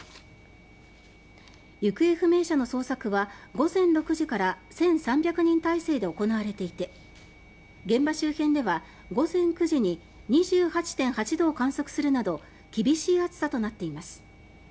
行方不明者の捜索は午前６時から１３００人態勢で行われていて現場周辺では午前９時に２８．８度を観測するなど厳しい暑さとなっています。